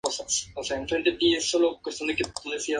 La lentitud sería la característica más sobresaliente de esta campaña.